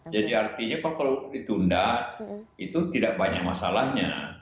jadi artinya kalau ditunda itu tidak banyak masalahnya